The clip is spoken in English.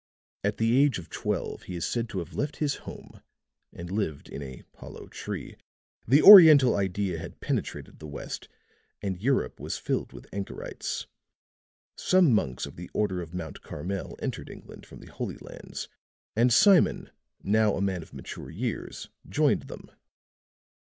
At the age of twelve he is said to have left his home and lived in a hollow tree. The Oriental idea had penetrated the West, and Europe was filled with anchorites. Some monks of the Order of Mount Carmel entered England from the Holy Lands and Simon, now a man of mature years, joined them.